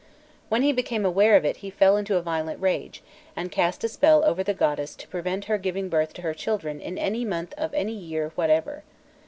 When he became aware of it he fell into a violent rage, and cast a spell over the goddess to prevent her giving birth to her children in any month of any year whatever.